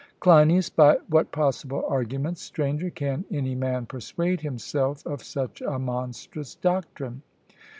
CLEINIAS: By what possible arguments, Stranger, can any man persuade himself of such a monstrous doctrine?